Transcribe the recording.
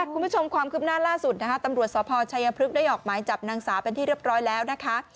คุณผู้ชมความคืบหน้าล่าสุดนะคะตำรวจสพชัยพฤกษ์ได้ออกหมายจับนางสาวเป็นที่เรียบร้อยแล้วนะคะ